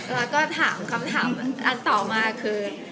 แล้วก็ถามคำถามอันต่อมาคือ